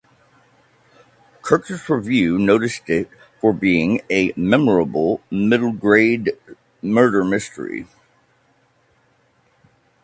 Kirkus Review noted it for being "a memorable middle grade murder mystery".